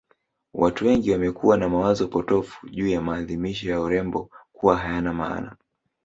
Watu wengi wamekuwa na mawazo potofu juu ya mashindano ya urembo kuwa hayana maana